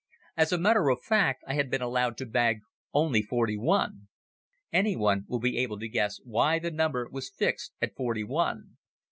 As a matter of fact I had been allowed to bag only forty one. Anyone will be able to guess why the number was fixed at forty one.